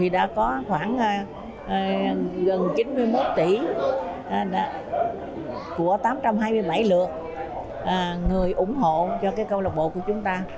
đã có khoảng gần chín mươi một tỷ của tám trăm hai mươi bảy lượt người ủng hộ cho câu lạc bộ của chúng ta